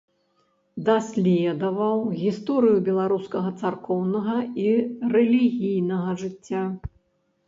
Даследаваў гісторыю беларускага царкоўнага і рэлігійнага жыцця.